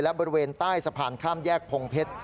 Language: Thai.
และบริเวณใต้สะพานข้ามแยกพงเพชร